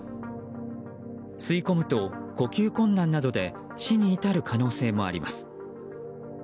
吸い込むと呼吸困難などで死に至る可能性もあります。